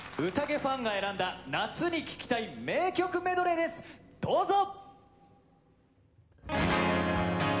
ファンが選んだ夏に聴きたい名曲メドレーですどうぞ！